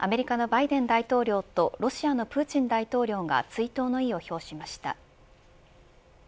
アメリカのバイデン大統領とロシアのプーチン大統領が追悼の意を表しました。